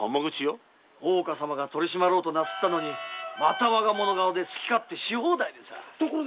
大岡様が取り締まろうとなさったのに我が物顔で好き勝手のしほうだいでさ。